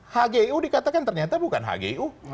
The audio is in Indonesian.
hgu dikatakan ternyata bukan hgu